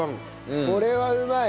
これはうまい。